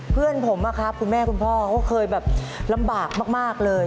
เพื่อนผมอะครับคุณแม่คุณพ่อเขาเคยแบบลำบากมากเลย